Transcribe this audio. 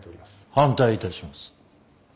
反対いたします。